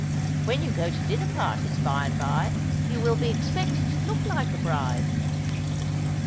''When you go to dinner parties, by and by, you will be expected to look like a bride."